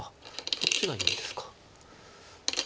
こっちがいいんですか。